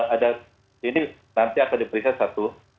ada ini nanti akan diperiksa satu